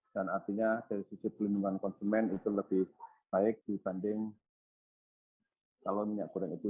dan artinya dari sisi perlindungan konsumen itu lebih baik dibanding kalau minyak goreng itu curah